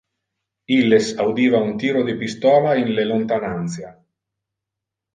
Illes audiva un tiro de pistola in le lontanantia.